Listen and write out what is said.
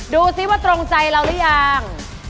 ดูสิว่าตรงใจเราหรือยัง